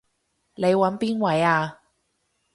你搵邊位啊？